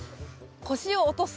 腰を落とす。